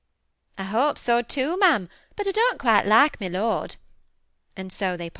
" I hope so too, ma'am ; but I don't quite like my lord;" and so they parted.